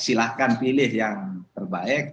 silahkan pilih yang terbaik